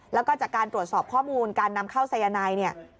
แล้วก็จากการตรวจสอบข้อมูลการนำเข้าสายนายเนี่ย